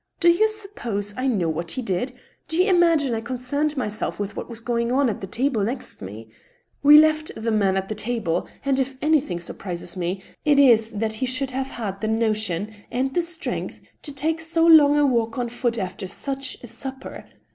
" Do you suppose I know what he did ? Do you imagine I concerned myself with what was goii^ on at the table next me ? We left the man at the table, and if anjrthing surprises me it is that he should have had the notion, and the strength, to take so long a walk on foot after such a supper.